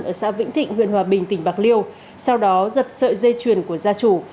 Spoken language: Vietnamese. ở xã vĩnh thịnh huyện hòa bình tỉnh bạc liêu sau đó giật sợi dây chuyền của gia chủ